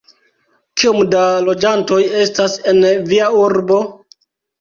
Kiom da loĝantoj estas en via urbo?